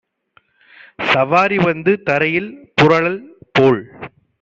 சவாரி வந்து தரையில் புரளல் போல்